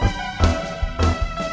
kamu mau ke rumah